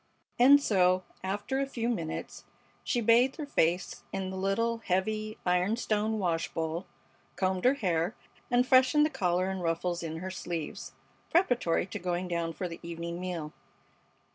And so, after a few minutes, she bathed her face in the little, heavy, iron stone wash bowl, combed her hair, and freshened the collar and ruffles in her sleeves preparatory to going down for the evening meal.